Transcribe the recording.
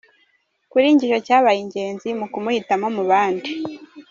Kuri njye icyo cyabaye ingenzi mu kumuhitamo mu bandi.